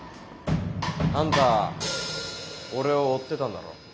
あんた俺を追ってたんだろ？